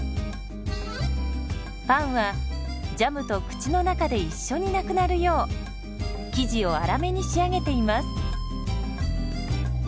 パンはジャムと口の中で一緒になくなるよう生地を粗めに仕上げています。